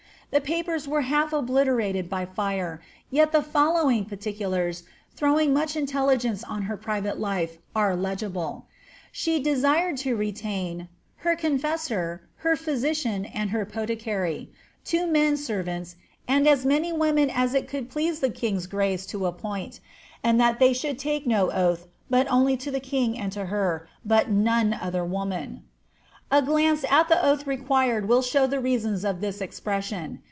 The papers are half obliterated by fire, yet the follow ing particulars, throwing much intelligence on her private life, ue legible :'— She desired to retain ^ her confessor, her physician, and her poUcary; two men scr\'ants, and as many women as it should please the king's grace to appoint ; and that they should take no oath, but only to the king and to her, but to none other womanP A glance at the oath required will show the reasons of this expression.